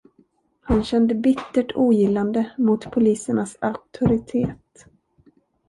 Han kände bittert ogillande mot polisernas auktoritet.